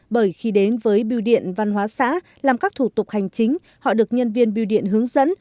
bởi khi đến với biêu điện văn hóa xã làm các thủ tục hành chính họ được nhân viên biêu điện hướng dẫn